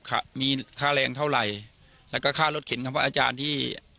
ค่ะมีค่าแรงเท่าไหร่แล้วก็ค่ารถเข็นคำว่าอาจารย์ที่